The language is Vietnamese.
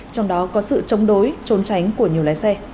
trong đó có sự chống đối trốn tránh của nhiều lái xe